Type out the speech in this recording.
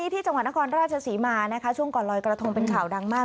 ที่จังหวัดนครราชศรีมานะคะช่วงก่อนลอยกระทงเป็นข่าวดังมาก